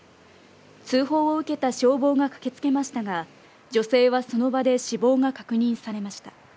通報を受けた消防が駆けつけましたが、女性はその場で死亡が確認されました。